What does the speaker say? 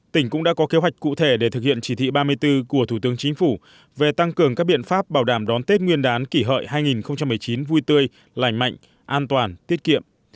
tỉnh cũng đã có kế hoạch cụ thể để thực hiện chỉ thị ba mươi bốn của thủ tướng chính phủ về tăng cường các biện pháp bảo đảm đón tết nguyên đán kỷ hợi hai nghìn một mươi chín vui tươi lành mạnh an toàn tiết kiệm